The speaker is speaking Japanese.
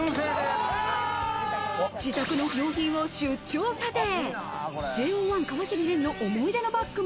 自宅の不用品を出張査定。